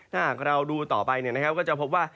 ถ้าหากเราดูต่อไปก็จะพบว่า